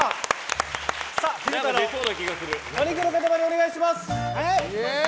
昼太郎、お肉の塊お願いします。